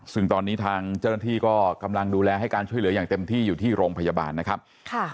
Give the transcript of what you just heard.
ซึ่งตอนนี้ทางเจ้าหน้าที่ก็กำลังดูแลให้การช่วยเหลืออย่างเต็มที่อยู่ที่โรงพยาบาลนะครับ